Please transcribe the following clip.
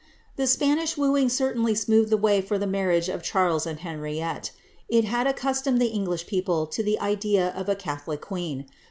The Spanish wooing certainly smoothed the way for the marriage of Charles and Henriette. It had accustomed the English people to the idea of a catholic queen.